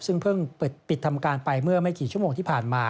ซึ่งเพิ่งปิดทำการไปเมื่อไม่กี่ชั่วโมงที่ผ่านมา